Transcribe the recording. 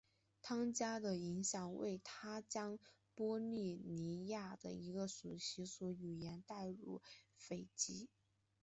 汤加的影响为他将波利尼西亚的习俗和一些语言带入斐济。